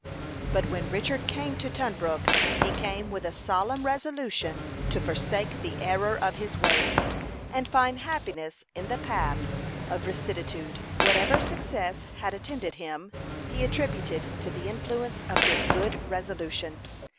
But when Richard came to Tunbrook, he came with a solemn resolution to forsake the error of his ways, and find happiness in the path of rectitude. Whatever success had attended him, he attributed to the influence of this good resolution.